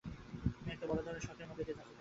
তুমি একটা বড় ধরণের শক এর মধ্য দিয়ে যাচ্ছ, তাই না?